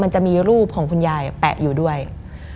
มันกลายเป็นรูปของคนที่กำลังขโมยคิ้วแล้วก็ร้องไห้อยู่